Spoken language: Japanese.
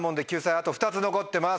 あと２つ残ってます。